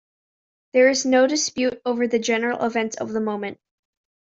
There is no dispute over the general events of the moment.